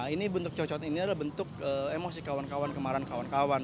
ini bentuk cowok cowok ini adalah bentuk emosi kawan kawan kemarahan kawan kawan